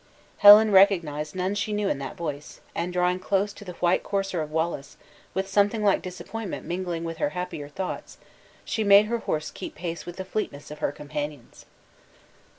Helen recognized none she knew in that voice; and drawing close to the white courser of Wallace, with something like disappointment mingling with her happier thoughts, she made her horse keep pace with the fleetness of her companions.